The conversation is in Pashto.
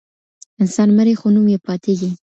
انسان مري خو نوم يې پاتيږي.